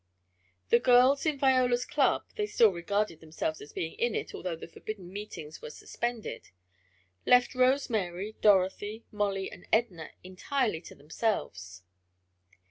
The girls in Viola's club (they still regarded themselves as being in it, although the forbidden meetings were suspended), left Rose Mary, Dorothy, Molly and Edna entirely to themselves.